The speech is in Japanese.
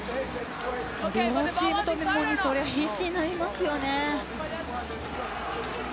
両チームともにそれは必死になりますよね。